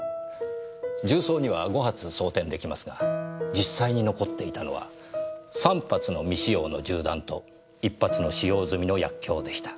銃倉には５発装填できますが実際に残っていたのは３発の未使用の銃弾と１発の使用済みの薬莢でした。